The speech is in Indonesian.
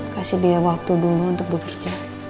kasih dia waktu dulu untuk bekerja